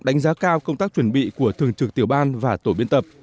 đánh giá cao công tác chuẩn bị của thường trực tiểu ban và tổ biên tập